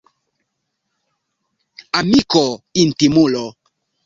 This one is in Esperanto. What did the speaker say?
Amiko — intimulo.